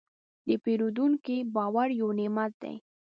د پیرودونکي باور یو نعمت دی.